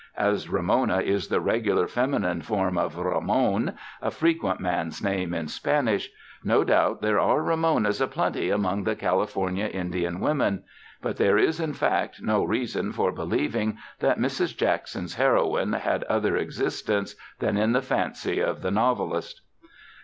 As Ramona is the regular feminine form of Ramon, a frequent man's name in Spanish, no doubt there are Ramonas a plenty among the California Indian women, but there is in fact no reason for believing that Mrs. Jackson's heroine had other existence than in the fancy of the novelist.